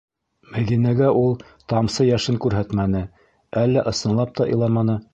Мәҙинәгә ул тамсы йәшен күрһәтмәне - әллә ысынлап та иламаны.